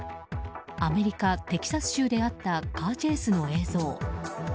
アメリカ・テキサス州であったカーチェイスの映像。